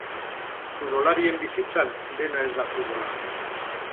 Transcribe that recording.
Futbolarien bizitzan, dena ez da futbola.